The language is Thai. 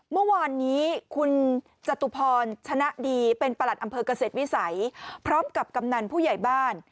เมื่อวานนี้คุณจตุพรชนะดีเป็นประหลัดอำเภอกเกษตรวิสัยพร้อมกับกำนันผู้ใหญ่บ้าน